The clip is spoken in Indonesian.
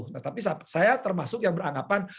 nah tapi saya termasuk yang beranggapan